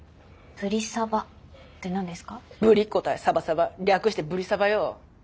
ブリっ子対サバサバ略して「ブリサバ」よ！